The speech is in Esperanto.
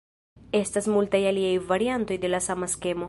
Estas multaj aliaj variantoj de la sama skemo.